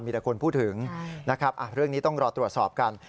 มีแต่คนพูดถึงนะครับเรื่องนี้ต้องรอตรวจสอบกัน